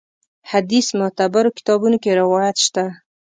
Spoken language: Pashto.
حدیث معتبرو کتابونو کې روایت شته.